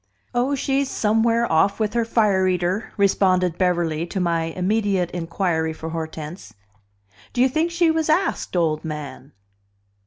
"Oh, she's somewhere off with her fire eater," responded Beverly to my immediate inquiry for Hortense. "Do you think she was asked, old man?"